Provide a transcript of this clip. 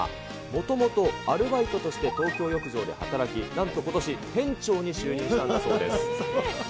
もともとアルバイトとして東京浴場で働き、なんとことし店長に就任したんだそうです。